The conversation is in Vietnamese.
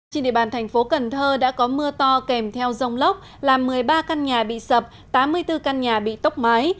trên địa bàn thành phố cần thơ đã có mưa to kèm theo rông lốc làm một mươi ba căn nhà bị sập tám mươi bốn căn nhà bị tốc mái